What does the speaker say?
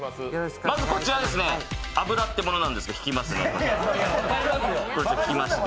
まずこちら、油ってもんですけど、ひきますね。